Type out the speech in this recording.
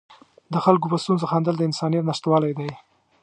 د خلکو په ستونزو خندل د انسانیت نشتوالی دی.